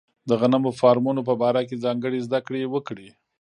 د غنمو د فارمونو په باره کې ځانګړې زده کړې وکړي.